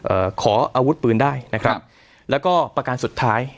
เอ่อขออาวุธปืนได้นะครับแล้วก็ประการสุดท้าย